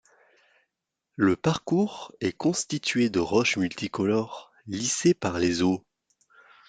Le parcours est constitué de roches multicolores, lissées par les eaux.